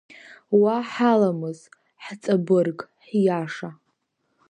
Уа, ҳаламыс, ҳҵабырг-ҳиаша…